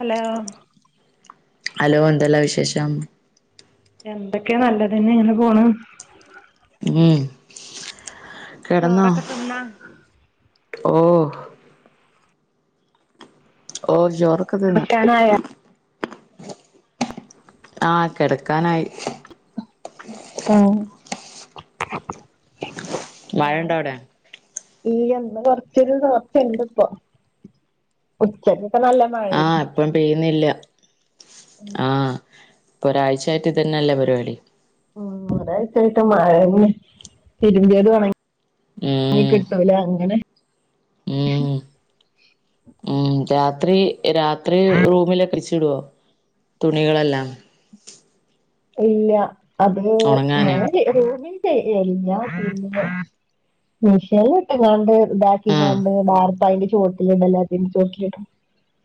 Hello hello എന്തല്ല വിശേഷം എന്തൊക്കെ നല്ലതന്നെ ഇങ്ങനെ പോണ് ഉം ചോറൊക്കെ തിന്ന? ഓഹ് ഓഹ് ചോറക്കെ തിന്ന് [unintelligible] ആഹ് കിടക്കാനായി അഹ് [inaudible] മഴണ്ടോ അവിടെ ഈ ഇന്ന് കൊറച്ചൊരു ചോർച്ച ഇണ്ട് ഇപ്പൊ ഉച്ചക്കക്കെ നല്ല മഴയിരി [unintelligible] അപ്പം പെയ്യുന്നില്ല ഒരാഴ്ചയിട്ട് ഇതന്നെല്ലെ പരിപാടി ഉം ഒരാഴ്ചയിട്ട് മഴെന്നെ തിരുമ്പിയത് ഒണ ങ്ങി ഉം കിട്ടൂലേ അങ്ങനെ ഉം ഉം രാത്രി രാത്രി റൂമിലൊക്കെ വിരിച്ചുടുവോ തുണികളെല്ലാം ഇല്ല അത് ഉണങ്ങാന് ഞാന് റൂമി [unintelligible] മീഷിനില് ഇട്ട്ങ്ങാണ്ട് ആ ഇതാക്കിങ്ങാണ്ട് ദാർപ്പയിന്റെ ചോട്ടിലിണ്ട എല്ലാത്തിന്റെ ചോട്ടിലിട്ടും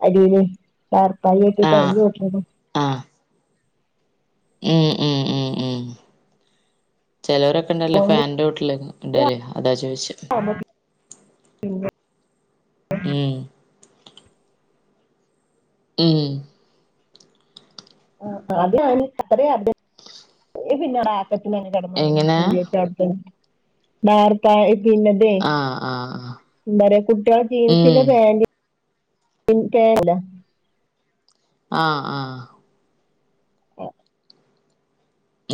അടില് ദാർപ്പായ് ഇട്ട് അയ്ന്റെ ചോട്ടിലിടു ആഹ് ഉം ഉം ഉം ഉം ചെലരൊക് ണ്ടല്ല റൂമില് ഫാൻന്റോട്ടില് ഇടല് അതാ ചോയിച്ചെ [unintelligible] ഉം ഉം [unintelligible] [unintelligible] [unintelligible] എങ്ങനെ ആഹ് ആഹ് ആഹ് പറയ കുട്ടിയളെ ജീൻസിന്റെ ഉം പാന്റ് [unintelligible] ആഹ് ആഹ് [unintelligible]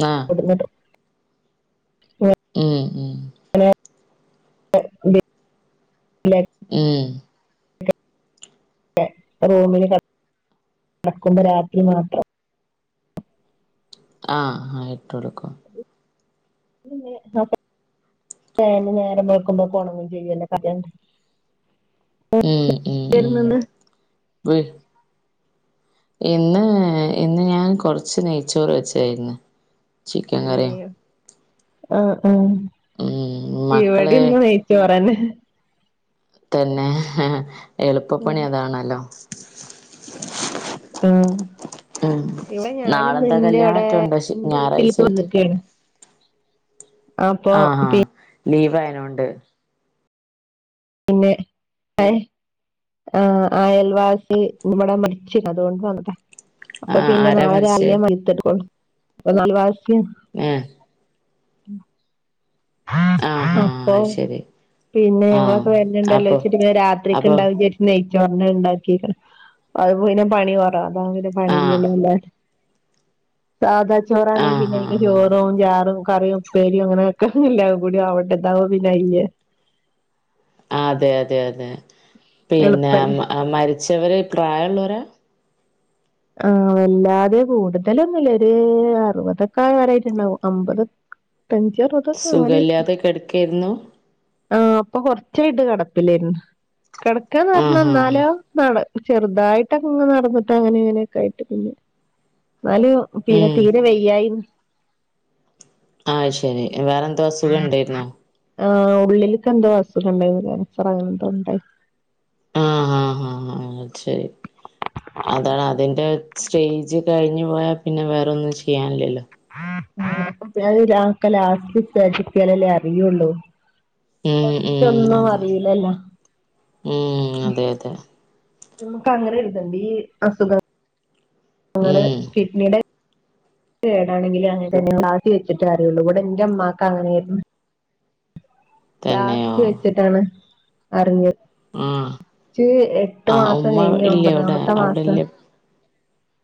ആഹ് [unintelligible] ഉം ഉം [unintelligible] ഉം ക്കെ റൂമില് കെടക്കുമ്പോ രാത്രി മാത്രം ആഹ് ആഹ് ഇട്ട് കൊടുക്കു [unintelligible] [unintelligible] നേരം വെൾക്കുമ്പോത്തിന് ഒണങ്ങും ചെയ്യല്ലെ [unintelligible] ഉം ഉം ഉം [unintelligible] വ് ഇന്ന് ഇന്ന് ഞാൻ കൊറച്ച് നെയ്ച്ചോറ് വെച്ചായിരുന്നു. ചിക്കൻ കറിയും ഏഹ് ആഹ് ആഹ് ഉം ഇവിടെ മക്കള് ഇന്ന് നെയ് പറയ്ന്നെ തന്നെ ഉം എളുപ്പപ്പണി അതാണല്ലോ. ആഹ് ഉം ഇവിടെ ഞാനും നാളെന്താ നിന്റെ അവിടെ കല്യാണറ്റെ ഉണ്ടോ ശ ഞായറാഴ്ച വീട്ടിൽക്ക് ആയിട്ട് വന്നിക്കാണ് അപ്പൊ ആഹാ ലീവായനൊണ്ട്. പിന്നെ [inaudible] ആഹ് അയൽവാസി ഇവടെ മരിച്ച് അതുകൊണ്ട് വന്നെ അപ്പൊ ആഹ് പിന്നെ ആരാ നാളെ മരിച്ചേ രാവിലെ മയ്യത്തെടുക്കോള്ളു [inaudible] ഏഹ് ആഹ് ആഹ് അപ്പൊ അത് ശരി പിന്നെ ആഹ് ഞങ്ങളൊക്കെ വരുന്ന്ണ്ടല്ലോ അപ്പൊ വെച്ചിട്ട് രാത്രിക്കെ അപ്പൊ ഇണ്ടാവും വിചാ നെയ്ച്ചോറിൻ്റ ഇണ്ടാക്കിക്കണ് അത് പിന്നെ പണി കുറവാ അതാ പിന്നെ പണി ആഹ് ഇല്ലലേ സാദാ ചോറാണേ ആഹ് പിന്നെനിക്ക് ആഹ് ആഹ് ചോറും ജാറും കറിയും പ്പേരീം അങ്ങനെക്കെ എല്ലാവും കൂടി അവട്ടെ ഇതാമ്പൊ പിന്നെ അ അതെ അതെ അതെ പിന്നെ എളുപ്പല്ലേ മരിച്ചവര് പ്രായള്ളവരാ ആഹ് വല്ലാതെ കൂടുതലൊന്നുല്ല ഒരു അറുപതൊക്കെ വരായിട്ടുണ്ടാവും അമ്പതൊ എൻച്ച് അറുപക്കെ ആവാനായിട്ട്ണ്ട് സുഖമില്ലാതെ കിടക്കായിരുന്നു ആഹ് അപ്പൊ കൊറച്ചായിട്ട് കിടപ്പിലായിരുന്നു കിടക്കന്ന് പറഞ്ഞ ആഹ് ആഹ് എന്നാലോ നട ചെറുതായിട്ടക്കെ ഇങ്ങ് നടന്നിട്ട് അങ്ങനെ ഇങ്ങനൊക്കെ ആയിട്ട് പിന്നെ എന്നാലും പിന്നെ ഉം തീരെ വയ്യായി ആഹ് ശെരി വേറെ എന്താ അസുഖം ഉണ്ടായിരുന്നോ ആഹ് ഉള്ളിലേക്കെന്തോ അസുഖം ഉണ്ടായിന് ക്യാൻസർ അങ്ങനെ എന്തോ ഉണ്ടായി ആഹ് ആഹ് ആഹ് ആഹ് ശരി അതാണ് അതിന്റെ സ്റ്റേജ് കഴിഞ്ഞു പോയാ പിന്നെ വേറൊന്നും ചെയ്യാനില്ലല്ലോ [unintelligible] അറിയുള്ളൂ ഉം ഫസ്റ്റ് ഉം ഒന്നും അതെ അറിയിലല്ലോ ഉം അതെ അതെ ഞമ്മക്ക് അങ്ങനൊര്ത്ണ്ട് ഈ അസുഖം അങ്ങനെ ഉം കിഡ്ണീടെ കേടാണെങ്കിലു അങ്ങൻത്തന്നെ ബാക്കി വെച്ച്ട്ടെ അറിയോള്ളൂ ഇവടെ ഇന്റെ ഇമ്മാക്ക് അങ്ങനെയെര്ന്നു. തന്നെയോ ലാസ്റ്റ് വെച്ചിട്ടാണ് അറിഞ്ഞെ ആഹ് ച്ച് എട്ട് ആഹ് മാസം ഉമ്മ കയ്ഞ്ഞ് ഇല്ലേ അവിടെ ഒമ്പതാമത്തെ അവിടെ മാസം ഇല്ലേ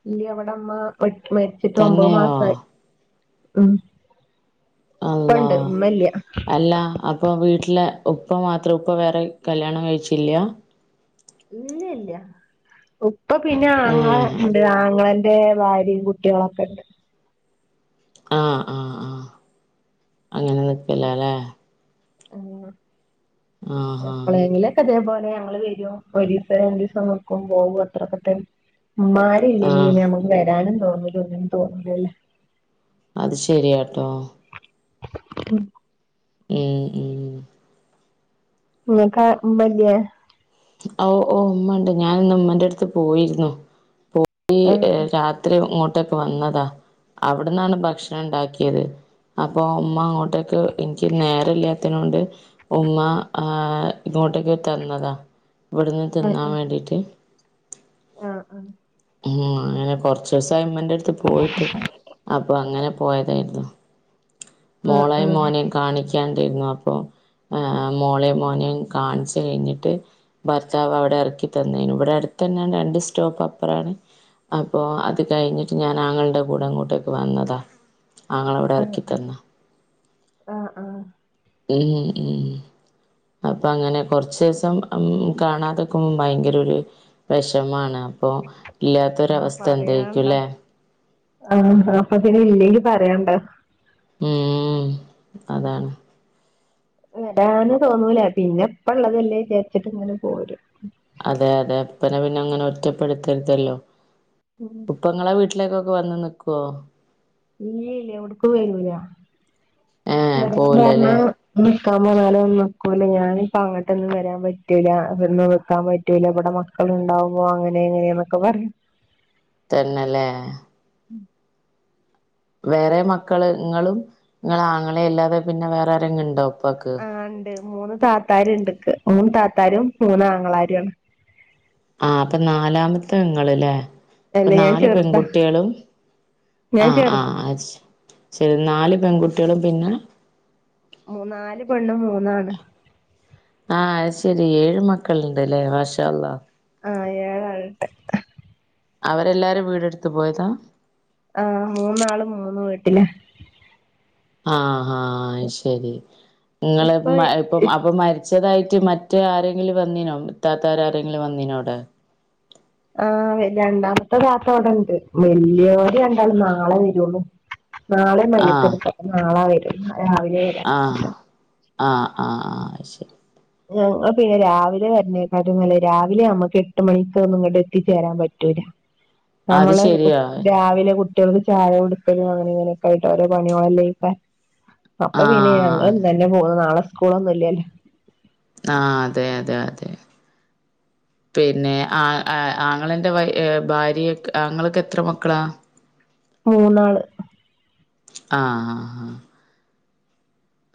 ഇല്ല ഇവടെമ്മ മര് മര്ച്ചിട്ട് ഒമ്പത് തന്നെയോ? മാസായി. ഉം. അള്ളാ ഇപ്പണ്ട് ഇമ്മല്ല്യ അല്ലാ അപ്പൊ വീട്ടില് ഉപ്പ മാത്രം ഉപ്പ വേറെ കല്ല്യാണം കഴിച്ചില്ല. ഇല്ല ഇല്ല്യാ ഉപ്പ പിന്നെ ഏഹ്. ആങ്ങളണ്ട് ആങ്ങളെൻ ന്റെ ഭാരിം കുട്ട്യാളൊക്കെണ്ട്. ആഹ് ആഹ് ആഹ് അങ്ങനെ നിക്കലാല്ലേ ആഹ് ആഹാ. എപ്പളേങ്കിലും അതേപോലെ ഞങ്ങള് വെരും ഒരീസം രണ്ടിസം നിക്കും പോവും അത്രക്ക തന്നെ ഇമ്മാര് ര്ല്ലെങ്കി ആഹ് പിന്നെ ഞമക്ക് വെരാനും തോന്നുല ഒന്നിനും തോന്നുലല്ലേ. അത് ശെരിയാട്ടോ. ഉം ഉം ഉം ഇങ്ങക്കാ ഇമ്മല്ല്യെ ഔ ഓ ഉമ്മണ്ട് ഞാന്ന്ന് ഉമ്മന്റെട്ത്ത് പോയിര്ന്നു പോയി ആഹ് ഏ രാത് ത്രിങ്ങോട്ടെക്കെ വന്നതാ അവട്ന്നാണ് ഭക്ഷണണ്ടാക്ക്യേത് അപ്പൊ ഉമ്മങ്ങോട്ട് ക്ക് ഇൻക്ക് നേരല്ലാത്തിനോണ്ട് ഉമ്മ ആഹ് ഇങ്ങോട്ടേക്ക് തെന്നതാ ഇവ്ട്ന്ന് തിന്നാവേണ്ടിറ്റ് ആഹ് ആഹ് ഉം അങ്ങനെ കൊർച്ചുസായിമ്മന്റെട്ത്ത് പോയിട്ട് അപ്പൊ അങ്ങനെ പോയതായ്ര്ന്നു ആഹ് ആഹ് മോളേം ആഹ് മോനേം കാണിക്കാണ്ടെര്ന്നു അപ്പൊ എഹ് അമോളീം മോനിം കാണിച്ച് കൈഞ്ട്ട് ഭർത്താവ് അവടെ എർക്കി തന്നിനു ഇവടെ അട്ത്തെന്നെണ് രണ്ട് സ്റ്റോപ്പ് അപ്പറാണ് അപ്പോ അത് കഴിഞ്ഞ്ട്ട് ഞാൻ ആങ്ങളന്റെ കൂടെ അങ്ങോട്ടേക്ക് വന്നതാ ആങ്ങള ആഹ് ഇവടെർക്കി തന്ന് ആഹ് ആഹ് ഉം ഉം അപ്പൊ അങ്ങനെ കൊർച്ചുസം അം കാണാതെക്കുമ്പം ഭയങ്കരൊര് വെഷമാണ് അപ്പൊ ആഹ് ഇല്ലാത്തൊരവസ്ഥ എന്തേയ്ക്കും പറയാണ്ടോ ലെ ആഹ് അപ്പൊ പിന്നെ ഇല്ലെങ്കി പറയാണ്ടോ ഉം അതാണ് വെരാന് തോന്നൂല പിന്നെ പ്പള്ളതല്ലേ വിചാര്ച്ചിട്ട്ങ്ങനെ പോരും അതെ അതെ ഇപ്പനെ പിന്നെങ്ങനെ ഒറ്റപ്പെട്ത്തര്തല്ലോ ഉം ഉപ്പ ങ്ങളെ വീട്ടിലേക്കൊക്കെ വന്ന് നിക്കോ ഇല്ല ഇല്ല്യാ എവ്ട്ക്കും വെരൂല ഏഹ് വെരാൻ പർഞാ പോവുലല്ലേ നിക്കാൻ പർഞാലൊന്നും നിക്കൂല ഞാനിപ്പങ്ങട്ടൊന്നും വെരാൻ പറ്റൂല വെന്ന് നിക്കാൻ പറ്റ് റ്റൂല ഇവടെ മക്കള്ണ്ടാവോ അങ്ങനെ ഇങ്ങനെന്നൊക്കെ പറയും തെന്നെ ലെ വേറെ മക്കള് ഇങ്ങളും ഇങ്ങളാ ആങ്ങളെ അല്ലാതെ പിന്നെ വേറെ ആരെങ്ണ്ടോ ആഹ് ണ്ട് മൂന്ന് താത്താര്ണ്ട്ക്ക് മൂന്ന് താത്താരും മൂന്നാങ്ങളാരുആണ് ആഹ് അപ്പം നാലാമത്തത് ഇങ്ങള് ലെ ഇപ്പ അല്ല ഞാൻ നാല് ചെറുതാ പെൺകുട്ട്യാളും ഞാൻ ആഹ് ചെറുത് ആഹ് അത് ശെ ശെരി നാല് പെൺകുട്ട്യാളും പിന്നെ മു നാല് പെണ്ണും മൂന്നാണ് ആഹ് അത് ശെരി ഏഴ് മക്കള്ണ്ട്ലെ മാഷാള്ള ആഹ് ഏഴാള്ണ്ട് അവരെല്ലാരും വീടെട്ത്ത് പോയതാ ആഹ് മൂന്നാളും മൂന്ന് വീട്ട്ല ആഹ് ആഹ് അത് ശെരി ഇങ്ങള് ഉപ്പ മ് ഇപ്പം അപ്പം മരി ച്ചതായിട്ട് മറ്റേ ആരെങ്കിലും വെന്നിനോ മ് ഇത്താത്താരെരെങ്കിലും വന്നിനോ അവടെ ആഹ് രണ്ടാമത്തെ കാക്ക ഇവടെണ്ട് വല്യോര് രണ്ടാളും നാളെ വെരൊള്ളു നാളെ ആഹ് മയ്യ്ത്ത്ട്ക്ക നാളെ വരും രാവിലെ ആഹ് വരാച്ചിട്ടാ ആഹ് അത് ശെരി ഞങ്ങൾള് പിന്നെ രാവിലെ വെര്നേക്കാട്ടിം നല്ലത് രാവിലെ ഞമ്മക്ക് എട്ട് മണിക്കൊന്നും ഇങ്ങട്ടെത്തിച്ചേരാൻ പറ്റൂല [inaudible] ഞമ്മള് ഓഹ് ശരിയാ രാവിലെ കുട്ടിയൾക്ക് ചായ കൊടുക്കലും അങ്ങനെ ഇങ്ങനെയൊക്കായിട്ട് ഓരോ പണിയോളല്ലേക്കാ അപ്പം പിന്നെ ഞങ്ങള് ആഹ് ഇന്നന്നെ പോന്നു നാളെ സ്കൂളൊന്നും ഇല്ലേല്ലോ ആഹ് അതെ അതെ അതെ പിന്നെ ആഹ് ആഹ് ആങ്ങളെൻ്റെ വൈ ഏഹ് ഭാര്യെക്ക് ആങ്ങളക്ക് എത്ര മക്കളാ മൂന്നാള് ആഹ്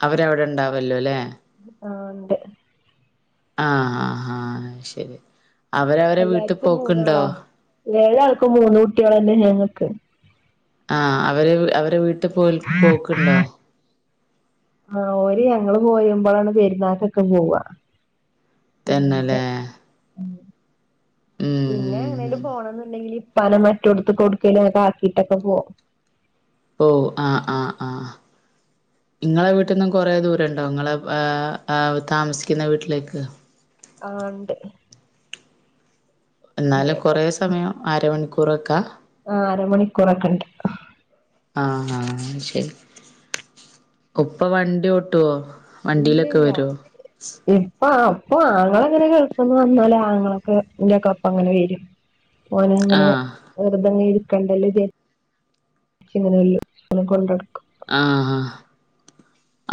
അവര് അവിടെ ഇണ്ടാവല്ലോല്ലേ ആഹ് ഇണ്ട് ആഹ് ഹാ അയ് ശരി അവര് അവരെ വീട്ട് എല്ലാർക്കും പോക്ക്ണ്ടോ മൂന്നാളാ ഏഴാൾക്കും മൂന്ന് കുട്ടിയളന്നെ ഞങ്ങക്ക് ആഹ് അവര് അവരെ വീട്ട് പോൽ പോക്ക്ണ്ടോ ആഹ് ഓര് ഞങ്ങള് പോയെമ്പളാണ് പെരുന്നാക്കൊക്കെ പോവാ പിന്നെ തന്നല്ലേ പിന്നെ ഉം ഉം എന്നേലും പോണന്നുണ്ടെങ്കില് ഇപ്പാനെ മന്റോട്ത്ത്ക്ക് എവുട്ക്കേലൊക്കെ ആക്കിട്ടൊക്കെ പോവും പോവും ആഹ് ആഹ് ആഹ് ഇങ്ങളെ വീട്ട്ന്നും കൊറെ ദൂരൊണ്ടോ നിങ്ങളെ ഏഹ് ആഹ് വു താമസിക്കുന്ന വീട്ടിലേക്ക് ആഹ് ഇണ്ട് എന്നാലും ഇതേപോ കൊറെ സമയം അരമണിക്കൂറൊക്കാ ആഹ് അരമണിക്കൂറൊക്കെണ്ട് ആഹ് ആഹ് ശരി ഉപ്പ വണ്ടി ഓട്ടുവോ ഇല്ല വണ്ടിയിലൊക്കെ ഇല്ലാ വരോ ഇപ്പ അപ്പോ ആങ്ങള ഇങ്ങനെ ഗൾഫിന്ന് വന്നാല് ആങ്ങളെക്കെ ഇന്റിയൊക്കൊപ്പ അങ്ങനെ വരും ഓന് അങ്ങനെ ആഹ് വെറുതങ്ങെ ഇരിക്കണ്ടല്ലോ വിചാരിച്ച്ങ്ങനെ എല്ലു എപ്പളും കൊണ്ടട്ക്കും ആഹ്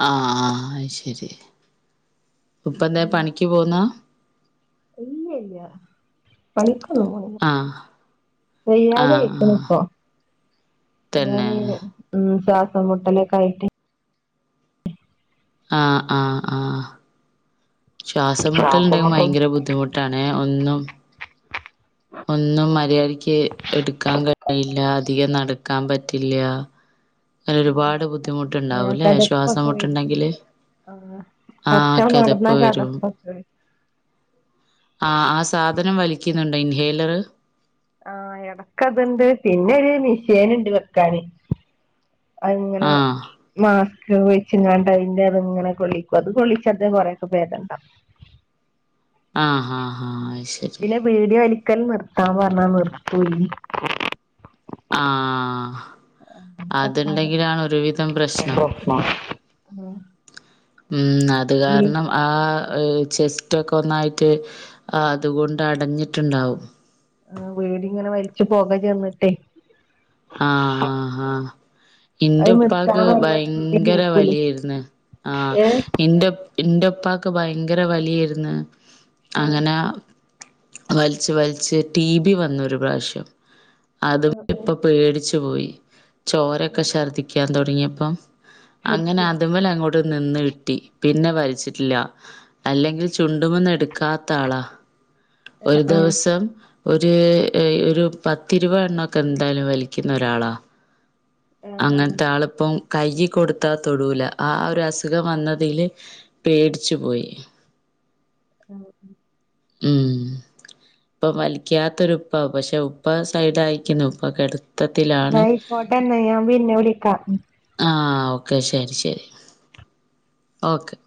ആഹ് അയ് ശരി ഉപ്പന്തേം പണിക്ക് പോവ്ന്നാ ഇല്ല ഇല്ലാ പണിക്കൊന്നും പോണി ആഹ് ആഹ് ആഹ് വെയ്യാതേയിക്ക്ണ്പ്പം തന്നെ [unintelligible] ഉം ശ്വാസം മുട്ടലൊക്കായിട്ട് ആഹ് ആഹ് ആഹ് ശ്വാസം മുട്ടല്ണ്ടെ ഭയങ്കര ബുദ്ധിമു ട്ടാണെ ഒന്നും ഒന്നും മര്യായ്രിക്ക് എട്ക്കാൻ കഴിയില്ല അധികം നടക്കാൻ പറ്റില്ല [unintelligible] ഒരുപാട് ബുദ്ധിമുട്ട് ആഹ് ഇണ്ടാവുല്ലെ കഥപ്പൊക്കെ വരും ശ്വാസമുട്ട്ണ്ടെങ്കില് ആഹ് കൊറച്ചാട് നടന്നാ വരും കെതപ്പ് ഏഹ് ആഹ് ആ സാധനം വലിക്കിന്നുണ്ടോ ഇൻഹേലറ് ആഹ് എടക്കത്ണ്ട് പിന്നെ ഒരു മിഷേന്ണ്ട് വെക്കാന് അഹ് ഇങ്ങനാ ആ മാ സ്ക് വെച്ച്ങ്ങാണ്ട് അതിന്റെ അത് ഇങ്ങനെ കൊള്ളിക്കും അത് കൊള്ളിച്ചാ അത് കൊറെക്കെ ബേധണ്ടാ ആഹ് ഹാ ഹാ അഹ് ശ പിന്നെ ബീഡി വലിക്കൽ നിർത്താ പർഞ്ഞാ [unintelligible] ആഹ് അത് ഇണ്ടെങ്കിലാണ് ഒരുവിധം പ്രശ്നം ആഹ് ഉം അത് വീ കാരണം ആ ഏഹ് ചെസ്റ്റൊക്കെ ഒന്നായ്റ്റ് ആഹ് അതുകൊണ്ട് അടഞ്ഞിട്ട്ണ്ടാവും ആഹ് വീടിങ്ങനെ വലിച്ച് പോക ചേന്നിട്ടേ ആഹ് ഹാ അത് നിർത്താൻ ഇന്റുപ്പാക്ക് പറഞ്ഞാ പിന്നെ ഭയങ്കര നീക്കൂല വലിയേര്ന്ന് ആഹ് ഏഹ് ഇന്റെ ഇന്റുപ്പാക്ക് ഭയങ്കര വലിയേര്ന്ന് ആഹ് അങ്ങനെ വൽച്ച് വൽച്ച് ടി ബി വന്ന് ഒരു പ്രാവശ്യം അ അതെ. പേടിച്ചു പോയി ചോരൊക്കെ ആഹ് ശർദ്ദിക്കാൻ തോടങ്ങിയപ്പം അങ്ങനെ നിർത്തിയോ അത്മല് അങ്ങോട്ട് നിന്ന് കിട്ടി പിന്നെ വലിച്ച്ട്ട്ല്ല. അല്ലെങ്കിൽ ചുണ്ടുമെന്ന് എടുക്കാത്ത ആളാ. ആഹ് ഒരു ആഹ് ദിവസം ഒര് ഒരു പത്തിരുവേണ്ണക്കെ ന്തായാലും വലിക്കുന്ന ഒരാളാ ആഹ് ആഹ് അങ്ങൻത്തെ ആള്പ്പം കയ്യി കൊടുത്താ തൊടുല ആ ഒരു അസുഖം വന്നതില് പേടിച്ചു പോയി. [inaudible] ഉം ഉം.. ഇപ്പൊ വലിക്കാത്തൊരു ഉപ്പ പക്ഷെ ഉപ്പ സൈഡഡായിക്ക്ന്ന് ഉപ്പക്കെട ന്ന അയികോട്ടെ ന്നാ ഞ പിന്നെ വിളിക്കാ. ആഹ് ഓക്കെ ശെരി ശെരി ഓക്കെ.